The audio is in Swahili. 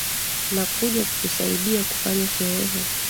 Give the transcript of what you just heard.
Nakuja kukusaidia kufanya sherehe